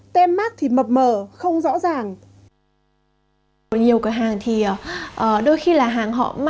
tem mát thì mập mờ không rõ ràng